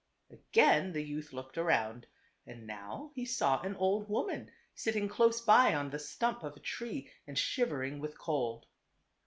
" Again the youth looked around, and now he saw an old woman sitting close by on the stump of a tree and shivering with cold.